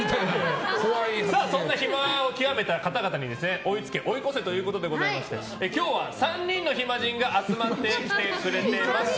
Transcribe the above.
そんな暇を極めた方々に追いつけ追い越せということで今日は３人の暇人が集まってきてくれています。